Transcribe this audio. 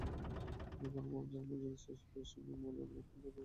গণভবন জামে মসজিদের পেশ ইমাম মাওলানা মোহাম্মদ আতিকুর রহমান মোনাজাত পরিচালনা করেন।